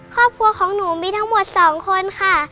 ครอบครัวของหนูมีทั้งหมด๒คนค่ะ